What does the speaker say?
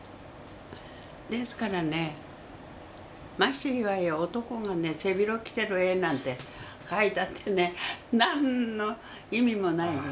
ですからねましていわんや男がね背広着てる絵なんて描いたってね何の意味もないでしょ。